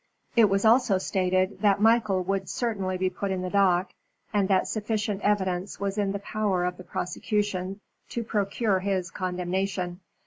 It was also stated that Michael would certainly be put in the dock, and that sufficient evidence was in the power of the prosecution to procure his condemnation.